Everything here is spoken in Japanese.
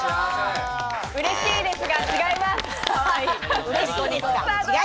嬉しいですが違います。